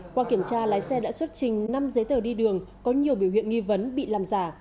qua kiểm tra lái xe đã xuất trình năm giấy tờ đi đường có nhiều biểu hiện nghi vấn bị làm giả